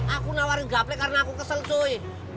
aku nawarin gaplek karena aku kesel join